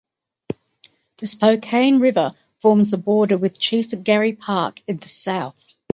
The Spokane River forms the border with Chief Garry Park in the south.